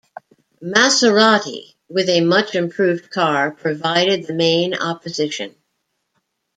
Maserati, with a much-improved car, provided the main opposition.